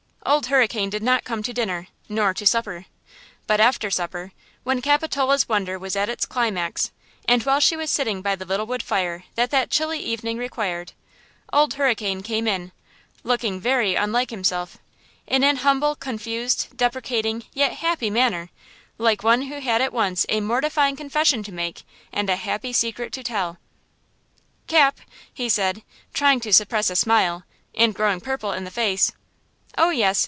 Old Hurricane did not come to dinner, nor to supper. But after supper, when Capitola's wonder was at its climax, and while she was sitting by the little wood fire that that chilly evening required, Old Hurricane came in, looking very unlike himself, in an humble, confused, deprecating, yet happy manner, like one who had at once a mortifying confession to make, and a happy secret to tell. "Cap," he said, trying to suppress a smile, and growing purple in the face. "Oh, yes!